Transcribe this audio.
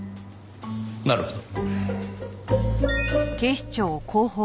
なるほど。